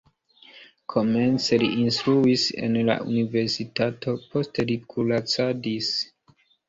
Komence li instruis en la universitato, poste li kuracadis.